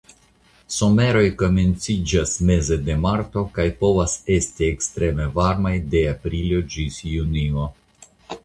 Someroj komenciĝas meze de marto kaj povas esti ekstreme varmaj de aprilo ĝis junio.